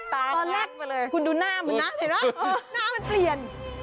ตอนแรกคุณดูหน้ามันนะหน้ามันเปลี่ยน